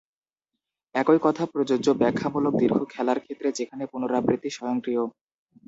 একই কথা প্রযোজ্য ব্যাখ্যামূলক দীর্ঘ খেলার ক্ষেত্রে যেখানে পুনরাবৃত্তি স্বয়ংক্রিয়।